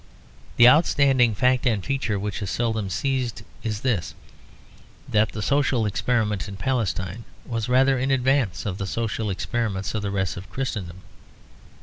The outstanding fact and feature which is seldom seized is this: that the social experiment in Palestine was rather in advance of the social experiments in the rest of Christendom.